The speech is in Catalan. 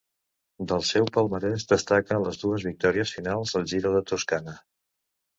Del seu palmarès destaca les dues victòries finals al Giro de Toscana.